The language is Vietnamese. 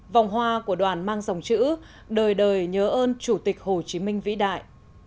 vòng hoa của đoàn mang dòng chữ đời đời nhớ ơn chủ tịch hồ chí minh vĩ đại